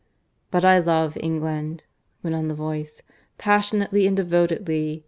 "But I love England," went on the voice, "passionately and devotedly.